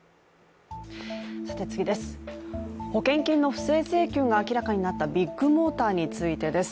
保険金の不正請求が明らかになったビッグモーターについてです。